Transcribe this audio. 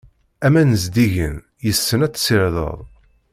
Aman zeddigen, yes-sen ad tsirdeḍ.